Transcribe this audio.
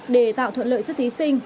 để tạo thuận lợi cho thí sinh